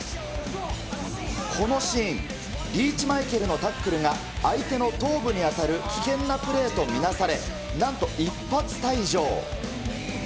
このシーン、リーチマイケルのタックルが相手の頭部に当たる危険なプレーと見なされ、なんと、一発退場。